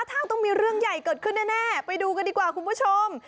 ทางต้องมีเรื่องใหญ่เกิดขึ้นแน่ไปดูกันดีกว่าคุณผู้ชม